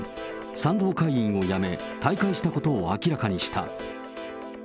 賛同会員を辞め、退会したことを明らかにした。